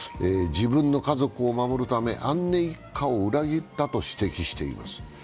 自分の家族を守るため、アンネ一家を裏切ったと指摘しています。